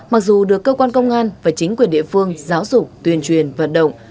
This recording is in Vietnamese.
mặc dù được cơ quan công an và chính quyền địa phương giáo dục tuyên truyền vận động